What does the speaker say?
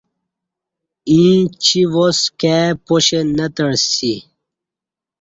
ییں چی واس کائی پاشہ نہ تعسی